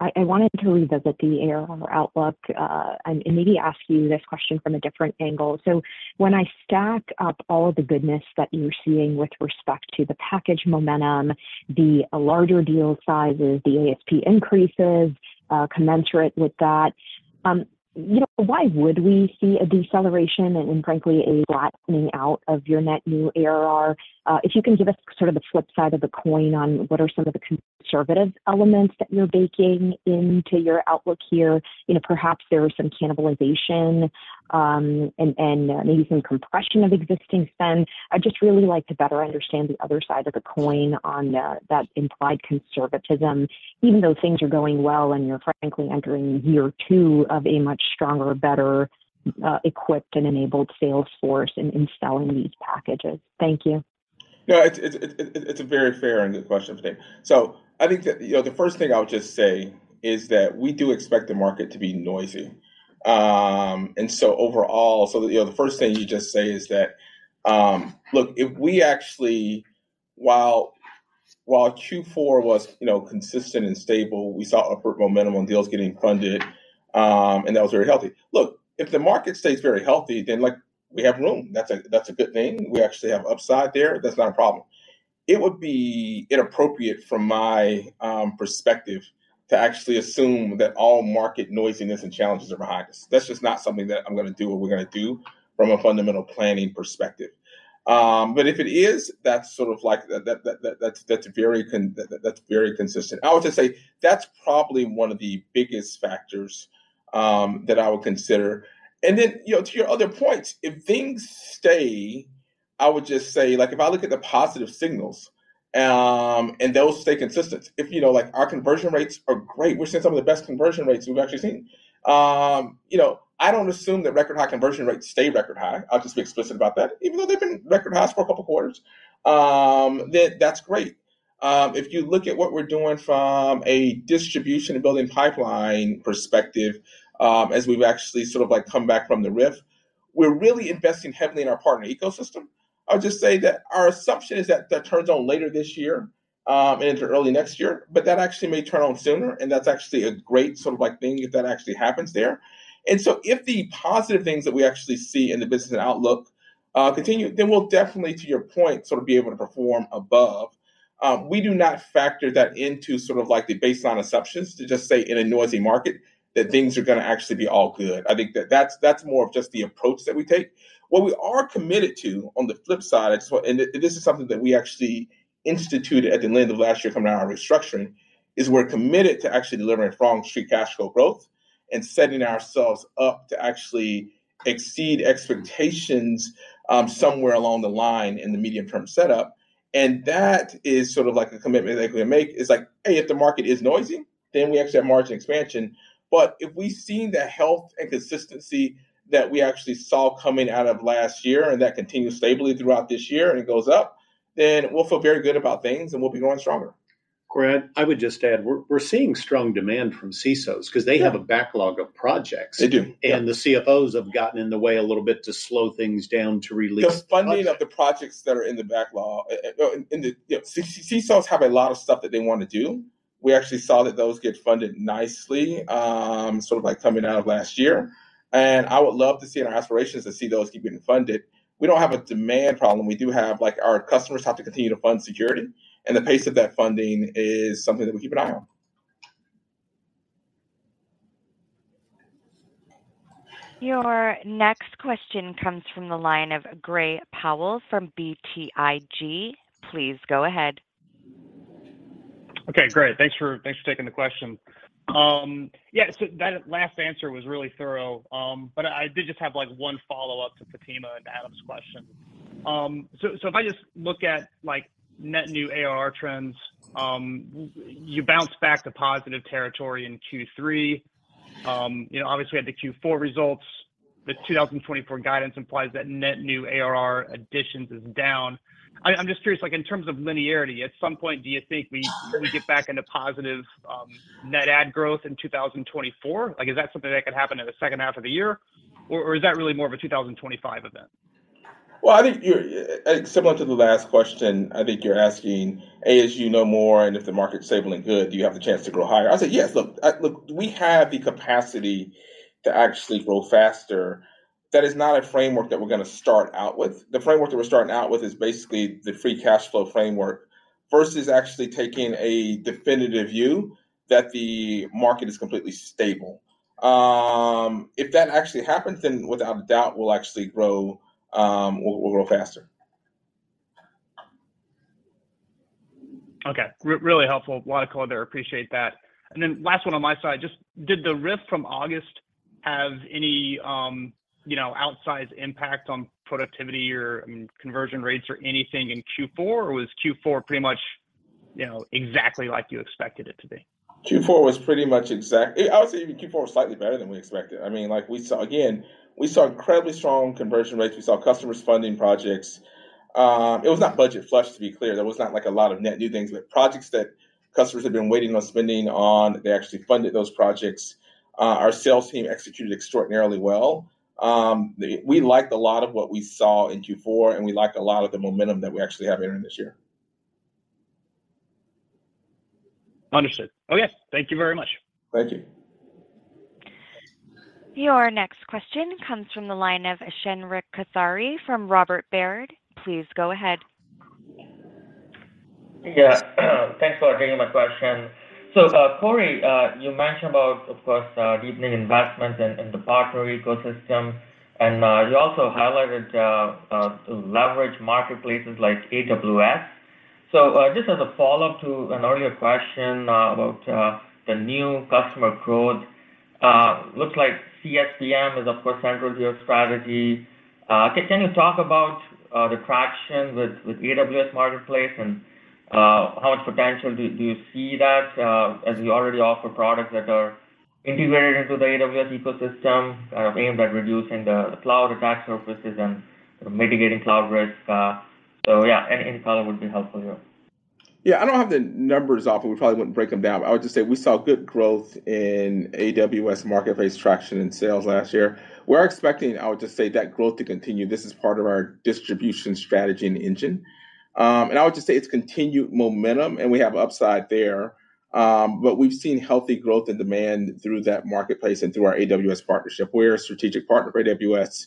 I wanted to revisit the ARR outlook, and maybe ask you this question from a different angle. So when I stack up all of the goodness that you're seeing with respect to the package momentum, the larger deal sizes, the ASP increases, commensurate with that, you know, why would we see a deceleration and, frankly, a flattening out of your net new ARR? If you can give us sort of the flip side of the coin on what are some of the conservative elements that you're baking into your outlook here. You know, perhaps there is some cannibalization, and maybe some compression of existing spend. I'd just really like to better understand the other side of the coin on the that implied conservatism, even though things are going well and you're frankly entering year two of a much stronger, better, equipped, and enabled sales force in installing these packages. Thank you. Yeah, it's a very fair and good question to take. So I think that, you know, the first thing I would just say is that we do expect the market to be noisy. And so overall... So, you know, the first thing you just say is that, look, if we actually, while Q4 was, you know, consistent and stable, we saw upward momentum on deals getting funded, and that was very healthy. Look, if the market stays very healthy, then, like, we have room. That's a good thing. We actually have upside there. That's not a problem. It would be inappropriate from my perspective to actually assume that all market noisiness and challenges are behind us. That's just not something that I'm gonna do or we're gonna do from a fundamental planning perspective. But if it is, that's sort of like that, that's very consistent. I would just say that's probably one of the biggest factors that I would consider. And then, you know, to your other point, if things stay, I would just say, like, if I look at the positive signals and they'll stay consistent. If, you know, like, our conversion rates are great. We're seeing some of the best conversion rates we've actually seen. You know, I don't assume that record high conversion rates stay record high. I'll just be explicit about that. Even though they've been record high for a couple quarters, then that's great. If you look at what we're doing from a distribution and building pipeline perspective, as we've actually sort of, like, come back from the RIF, we're really investing heavily in our partner ecosystem. I'll just say that our assumption is that that turns on later this year, and into early next year, but that actually may turn on sooner, and that's actually a great sort of like thing if that actually happens there. So if the positive things that we actually see in the business and outlook continue, then we'll definitely, to your point, sort of be able to perform above. We do not factor that into sort of like the baseline assumptions to just say in a noisy market, that things are gonna actually be all good. I think that that's, that's more of just the approach that we take. What we are committed to on the flip side, and so this is something that we actually instituted at the end of last year coming out of our restructuring, is we're committed to actually delivering strong street cash flow growth and setting ourselves up to actually exceed expectations somewhere along the line in the medium-term setup, and that is sort of like a commitment that we make. It's like, hey, if the market is noisy, then we actually have margin expansion. But if we've seen the health and consistency that we actually saw coming out of last year and that continues stably throughout this year and it goes up, then we'll feel very good about things and we'll be going stronger. Grant, I would just add, we're seeing strong demand from CISOs- Yeah... 'cause they have a backlog of projects. They do. The CFOs have gotten in the way a little bit to slow things down, to release- The funding of the projects that are in the backlog, and the, you know, CISOs have a lot of stuff that they want to do. We actually saw that those get funded nicely, sort of like coming out of last year. And I would love to see in our aspirations, to see those keep getting funded. We don't have a demand problem. We do have, like, our customers have to continue to fund security, and the pace of that funding is something that we keep an eye on. Your next question comes from the line of Gray Powell from BTIG. Please go ahead. Okay, great. Thanks for, thanks for taking the question. Yeah, so that last answer was really thorough, but I did just have, like, one follow-up to Fatima and Adam's question. So, so if I just look at, like, net new ARR trends, you bounce back to positive territory in Q3. You know, obviously, had the Q4 results. The 2024 guidance implies that net new ARR additions is down. I'm just curious, like, in terms of linearity, at some point, do you think we gonna get back into positive net add growth in 2024? Like, is that something that could happen in the second half of the year, or, or is that really more of a 2025 event? Well, I think you're similar to the last question. I think you're asking, A, as you know more, and if the market's stable and good, do you have the chance to grow higher? I'll say yes. Look, look, we have the capacity to actually grow faster. That is not a framework that we're gonna start out with. The framework that we're starting out with is basically the free cash flow framework. First, is actually taking a definitive view that the market is completely stable. If that actually happens, then without a doubt, we'll actually grow, we'll grow faster. Okay, really helpful. A lot of color there, appreciate that. And then last one on my side, just did the RIF from August have any, you know, outsized impact on productivity or, I mean, conversion rates or anything in Q4? Or was Q4 pretty much, you know, exactly like you expected it to be? Q4 was pretty much exactly... I would say even Q4 was slightly better than we expected. I mean, like we saw, again, we saw incredibly strong conversion rates. We saw customers funding projects. It was not budget flush, to be clear. There was not like a lot of net new things, but projects that customers had been waiting on spending on, they actually funded those projects. Our sales team executed extraordinarily well. We liked a lot of what we saw in Q4, and we liked a lot of the momentum that we actually have entering this year. Understood. Okay, thank you very much. Thank you. Your next question comes from the line of Shrenik Kothari from Robert Baird. Please go ahead. Yeah, thanks for taking my question. So, Corey, you mentioned about, of course, deepening investments in the partner ecosystem, and you also highlighted leverage marketplaces like AWS. So, just as a follow-up to an earlier question about the new customer growth, looks like CSPM is, of course, central to your strategy. Can you talk about the traction with AWS Marketplace and how much potential do you see that as you already offer products that are integrated into the AWS ecosystem aimed at reducing the cloud attack surfaces and mitigating cloud risks? So yeah, any color would be helpful here. Yeah, I don't have the numbers off, but we probably wouldn't break them down. But I would just say we saw good growth in AWS Marketplace traction and sales last year. We're expecting, I would just say, that growth to continue. This is part of our distribution strategy and engine. And I would just say it's continued momentum, and we have upside there, but we've seen healthy growth and demand through that marketplace and through our AWS partnership. We're a strategic partner for AWS.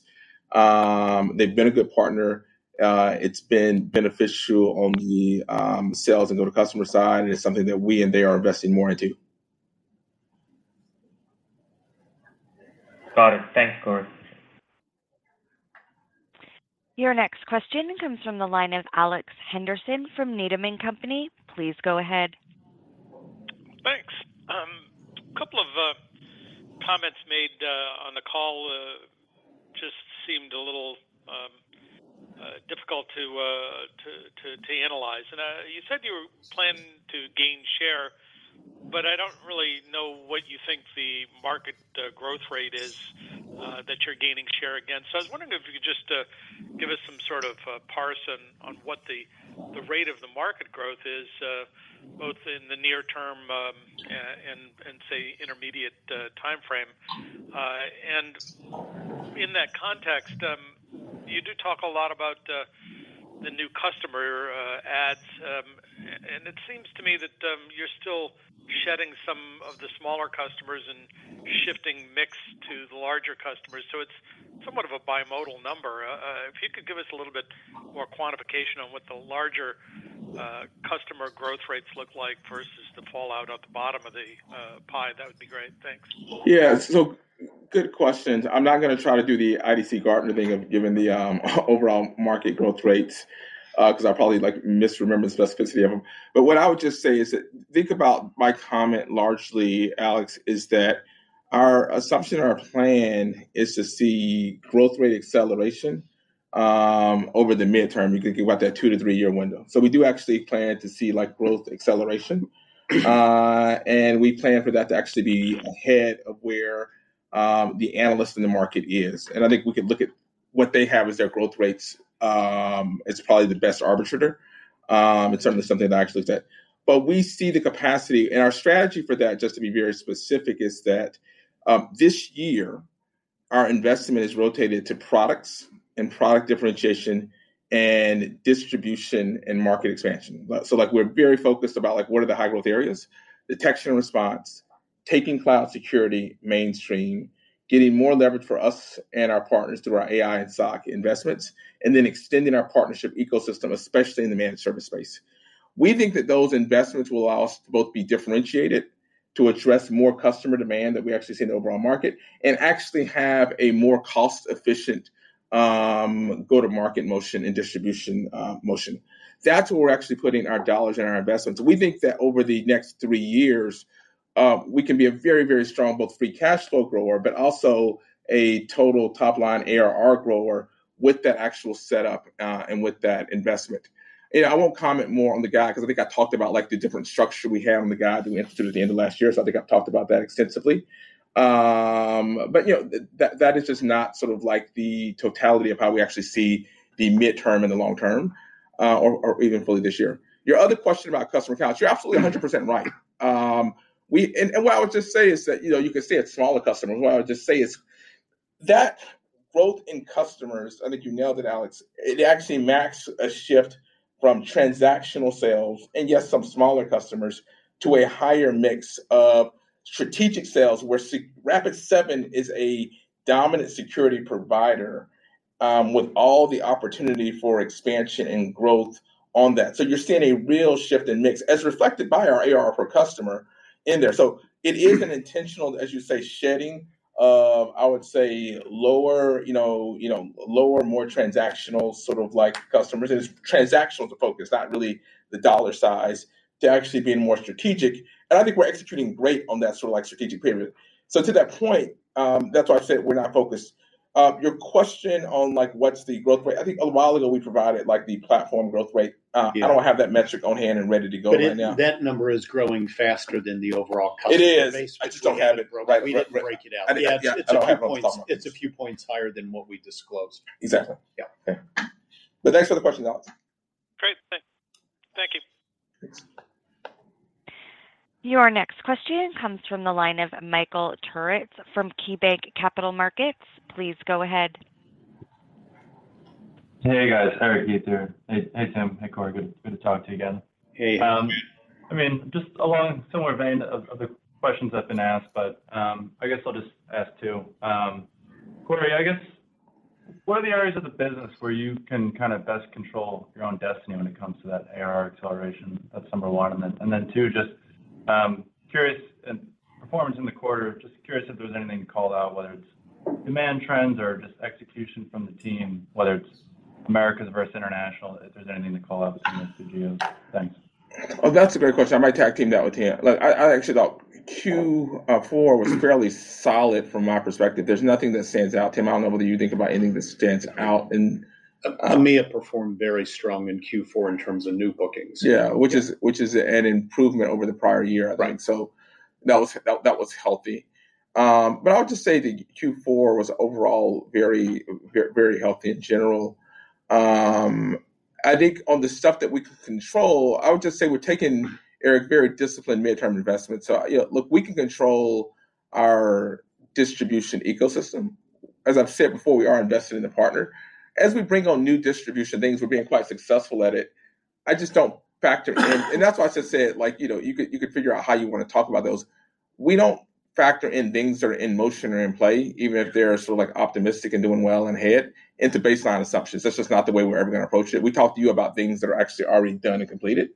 They've been a good partner. It's been beneficial on the sales and go-to customer side, and it's something that we and they are investing more into. Got it. Thanks, Corey. Your next question comes from the line of Alex Henderson from Needham & Company. Please go ahead. Thanks. A couple of comments made on the call just seemed a little difficult to analyze. And you said you were planning to gain share, but I don't really know what you think the market growth rate is that you're gaining share against. So I was wondering if you could just give us some sort of parse on what the rate of the market growth is, both in the near term, say, intermediate timeframe. And in that context, you do talk a lot about the new customer ads, and it seems to me that you're still shedding some of the smaller customers and shifting mix to the larger customers, so it's somewhat of a bimodal number. If you could give us a little bit more quantification on what the larger customer growth rates look like versus the fallout at the bottom of the pie, that would be great. Thanks. Yeah. So good questions. I'm not gonna try to do the IDC Gartner thing of giving the, overall market growth rates, 'cause I'll probably, like, misremember the specificity of them. But what I would just say is that think about my comment largely, Alex, is that our assumption or our plan is to see growth rate acceleration, over the midterm. You can think about that two to three-year window. So we do actually plan to see, like, growth acceleration, and we plan for that to actually be ahead of where, the analyst in the market is. And I think we can look at what they have as their growth rates, it's probably the best arbitrator. It's certainly something that I actually said. But we see the capacity, and our strategy for that, just to be very specific, is that, this year, our investment is rotated to products and product differentiation and distribution and market expansion. So, like, we're very focused about, like, what are the high growth areas, detection and response, taking cloud security mainstream, getting more leverage for us and our partners through our AI and SOC investments, and then extending our partnership ecosystem, especially in the managed service space. We think that those investments will allow us to both be differentiated, to address more customer demand that we actually see in the overall market, and actually have a more cost-efficient, go-to-market motion and distribution, motion. That's where we're actually putting our dollars and our investments. We think that over the next three years, we can be a very, very strong both free cash flow grower, but also a total top line ARR grower with that actual setup, and with that investment. You know, I won't comment more on the G&A, because I think I talked about, like, the different structure we have on the G%A that we introduced at the end of last year, so I think I've talked about that extensively. But, you know, that, that is just not sort of like the totality of how we actually see the midterm and the long term, or, or even fully this year. Your other question about customer accounts, you're absolutely 100% right. What I would just say is that, you know, you can see it's smaller customers. What I would just say is that growth in customers, I think you nailed it, Alex, it actually marks a shift from transactional sales, and yes, some smaller customers, to a higher mix of strategic sales, where Rapid7 is a dominant security provider, with all the opportunity for expansion and growth on that. So you're seeing a real shift in mix as reflected by our ARR per customer in there. So it is an intentional, as you say, shedding of, I would say, lower, you know, you know, lower, more transactional, sort of like customers. It's transactional to focus, not really the dollar size, to actually being more strategic, and I think we're executing great on that sort of like, strategic payment. So to that point, that's why I said we're not focused. Your question on, like, what's the growth rate? I think a while ago, we provided, like, the platform growth rate. Yeah. I don't have that metric on hand and ready to go right now. But that number is growing faster than the overall customer base. It is. I just don't have it right- We didn't break it out. I don't have it on the top of my- It's a few points higher than what we disclosed. Exactly. Yeah. Okay. But thanks for the question, Alex. Great, thanks. Thank you. Thanks. Your next question comes from the line of Michael Turits from KeyBanc Capital Markets. Please go ahead. Hey, guys, Eric, you're there. Hey, hey, Tim. Hey, Corey. Good to talk to you again. Hey. I mean, just along a similar vein of, of the questions that have been asked, but, I guess I'll just ask too. Corey, I guess, what are the areas of the business where you can kind of best control your own destiny when it comes to that ARR acceleration of [December 1]? And then, and then two, just, curious and performance in the quarter, just curious if there was anything to call out, whether it's demand trends or just execution from the team, whether it's Americas versus international, if there's anything to call out with you. Thanks. Oh, that's a great question. I might tag team that with Tim. Look, I, I actually thought Q4 was fairly solid from my perspective. There's nothing that stands out. Tim, I don't know whether you think about anything that stands out in, EMEA performed very strong in Q4 in terms of new bookings. Yeah, which is an improvement over the prior year. Right. So that was healthy. But I would just say that Q4 was overall very, very healthy in general. I think on the stuff that we could control, I would just say we're taking, Eric, very disciplined midterm investments. So, you know, look, we can control our distribution ecosystem. As I've said before, we are invested in the partner. As we bring on new distribution things, we're being quite successful at it. I just don't factor in. And that's why I just said, like, you know, you could figure out how you want to talk about those. We don't factor in things that are in motion or in play, even if they're sort of like, optimistic and doing well and ahead into baseline assumptions. That's just not the way we're ever going to approach it. We talk to you about things that are actually already done and completed.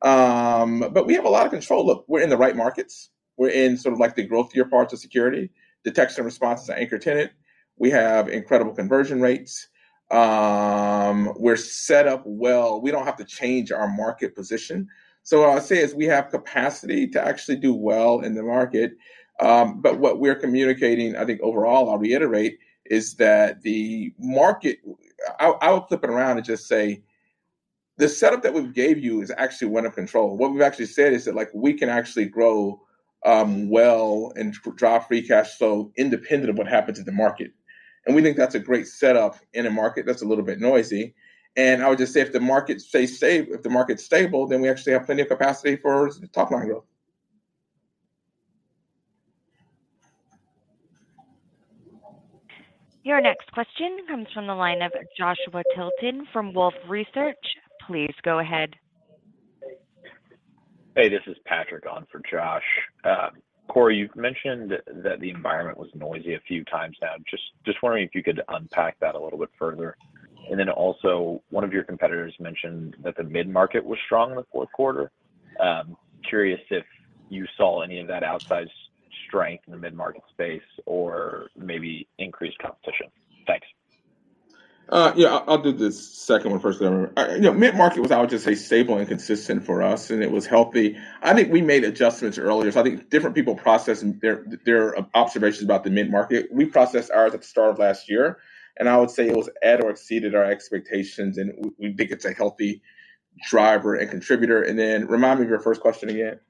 But we have a lot of control. Look, we're in the right markets. We're in sort of like the growthier parts of security, detection and response is our anchor tenant. We have incredible conversion rates. We're set up well. We don't have to change our market position. So what I'll say is we have capacity to actually do well in the market, but what we're communicating, I think, overall, I'll reiterate, is that the market... I'll flip it around and just say, the setup that we've gave you is actually one of control. What we've actually said is that, like, we can actually grow, well and draw free cash flow independent of what happens in the market. And we think that's a great setup in a market that's a little bit noisy. I would just say, if the market's stable, then we actually have plenty of capacity for top-line growth.... Your next question comes from the line of Joshua Tilton from Wolfe Research. Please go ahead. Hey, this is Patrick on for Josh. Corey, you've mentioned that the environment was noisy a few times now. Just, just wondering if you could unpack that a little bit further? And then also, one of your competitors mentioned that the mid-market was strong in the fourth quarter. Curious if you saw any of that outsized strength in the mid-market space or maybe increased competition. Thanks. Yeah, I'll do the second one first. You know, mid-market was, I would just say, stable and consistent for us, and it was healthy. I think we made adjustments earlier, so I think different people processing their observations about the mid-market. We processed ours at the start of last year, and I would say it was at or exceeded our expectations, and we think it's a healthy driver and contributor. And then remind me of your first question again.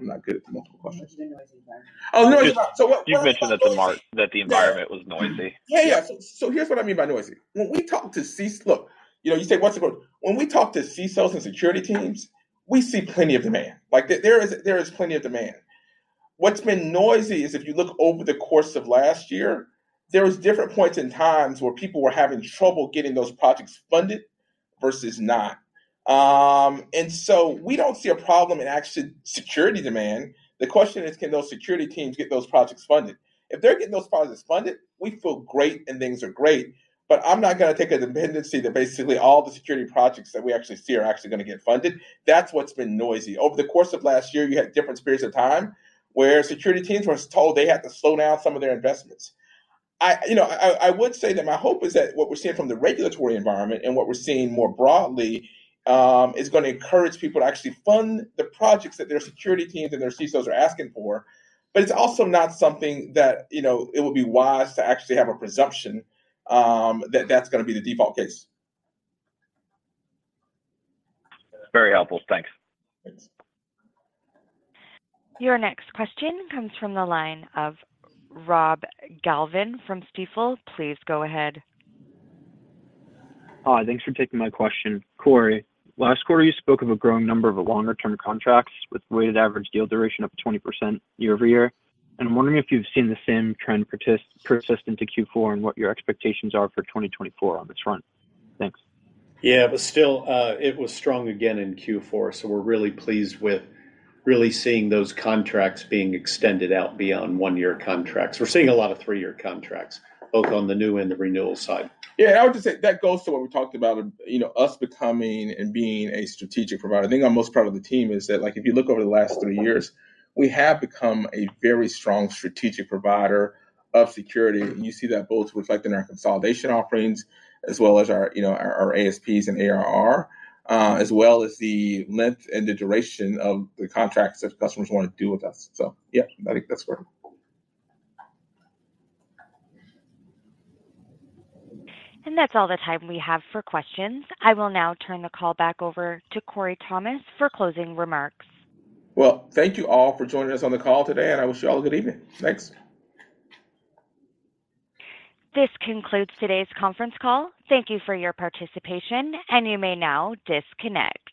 I'm not good at the multiple questions. Just the noisy environment. Oh, noisy! So what- You mentioned that the environment was noisy. Yeah, yeah. So, so here's what I mean by noisy. When we talk to CSOs and security teams, you know, we see plenty of demand. Like, there is, there is plenty of demand. What's been noisy is if you look over the course of last year, there was different points in times where people were having trouble getting those projects funded versus not. And so we don't see a problem in actual security demand. The question is: Can those security teams get those projects funded? If they're getting those projects funded, we feel great, and things are great, but I'm not gonna take a dependency that basically all the security projects that we actually see are actually gonna get funded. That's what's been noisy. Over the course of last year, you had different periods of time where security teams were told they had to slow down some of their investments. You know, I would say that my hope is that what we're seeing from the regulatory environment and what we're seeing more broadly is gonna encourage people to actually fund the projects that their security teams and their CSOs are asking for. But it's also not something that, you know, it would be wise to actually have a presumption that that's gonna be the default case. Very helpful. Thanks. Thanks. Your next question comes from the line of Rob Galvin from Stifel. Please go ahead. Hi, thanks for taking my question. Corey, last quarter, you spoke of a growing number of longer-term contracts with weighted average deal duration up to 20% year-over-year, and I'm wondering if you've seen the same trend persist into Q4 and what your expectations are for 2024 on this front? Thanks. Yeah, but still, it was strong again in Q4, so we're really pleased with really seeing those contracts being extended out beyond one-year contracts. We're seeing a lot of three-year contracts, both on the new and the renewal side. Yeah, I would just say that goes to what we talked about, you know, us becoming and being a strategic provider. I think I'm most proud of the team is that, like, if you look over the last three years, we have become a very strong strategic provider of security, and you see that both reflected in our consolidation offerings as well as our, you know, our ASPs and ARR, as well as the length and the duration of the contracts that customers want to do with us. So yeah, I think that's where. That's all the time we have for questions. I will now turn the call back over to Corey Thomas for closing remarks. Well, thank you all for joining us on the call today, and I wish you all a good evening. Thanks. This concludes today's conference call. Thank you for your participation, and you may now disconnect.